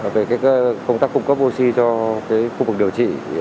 về cái công tác cung cấp oxy cho cái khu vực điều trị